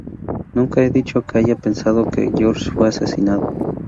Nunca he dicho que haya pensado que George fue asesinado.